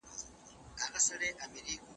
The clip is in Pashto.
موږ د خپلو ستورو رڼا ته اړتیا لرو.